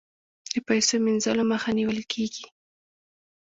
د پیسو مینځلو مخه نیول کیږي